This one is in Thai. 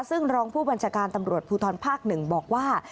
ซึ่งรองผู้บัญชาการตำรวจภูทรภาค๑บอกว่า